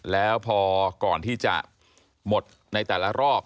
แล้วพอก่อนที่จะหมดในแต่ละรอบ